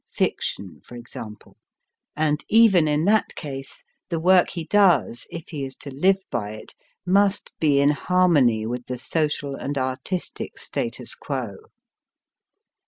R. B. ROBERT BUCHANAN 2 95 even in that case, the work he does, if he is to live by it, must be in harmony with the social and artistic status quo.